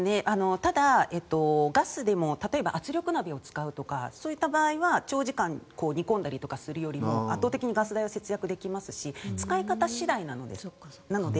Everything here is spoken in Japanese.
ただ、ガスでも例えば圧力鍋を使うとかそういった場合は長時間、煮込んだりするよりも圧倒的にガス代は節約できますし使い方次第なので。